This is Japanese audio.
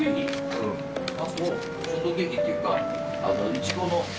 ・ショートケーキっていうかイチゴの。